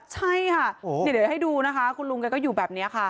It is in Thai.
ใช่ค่ะโหเดี๋ยวเดี๋ยวให้ดูนะคะคุณลุงกันก็อยู่แบบนี้ค่ะ